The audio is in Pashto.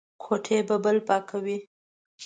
ګوتې په بل پاکوي.